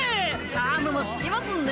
チャームもつきますんで。